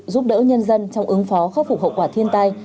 giúp đỡ nhân dân trong ứng phó khắc phục hậu quả thiên tai